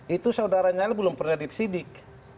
itu saudara nyala belum pernah dipisidik